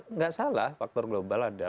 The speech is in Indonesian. nggak salah faktor global ada